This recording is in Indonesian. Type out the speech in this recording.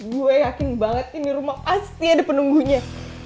gue yakin banget ini rumah pasti ada penunggunya